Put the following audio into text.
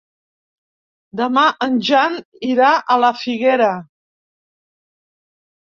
Demà en Jan irà a la Figuera.